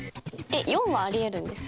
４はあり得るんですか？